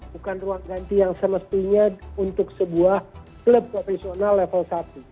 bukan ruang ganti yang semestinya untuk sebuah klub profesional level satu